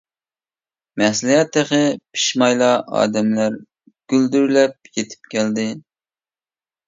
مەسلىھەت تېخى پىشمايلا ئادەملەر گۈلدۈرلەپ يېتىپ كەلدى.